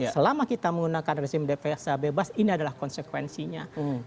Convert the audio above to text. selama kita menggunakan rezim defasa bebas ini adalah konsekuensinya